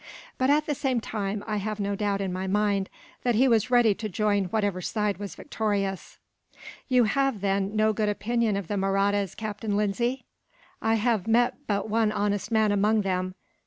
But at the same time, I have no doubt in my mind that he was ready to join whichever side was victorious." "You have, then, no good opinion of the Mahrattas, Captain Lindsay?" "I have met but one honest man among them.